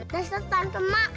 dasar tanpa semak